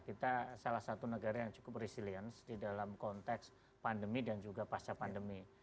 kita salah satu negara yang cukup resilience di dalam konteks pandemi dan juga pasca pandemi